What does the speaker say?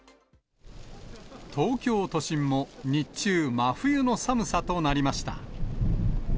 東京都心も日中、真冬の寒さとなりました。